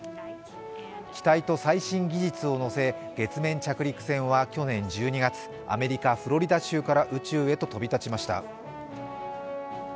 期待と最新技術を乗せ月面着陸船は去年１２月アメリカ・フロリダ州から宇宙へと飛び立ちました。